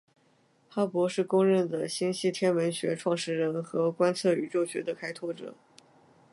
哈勃是公认的星系天文学创始人和观测宇宙学的开拓者。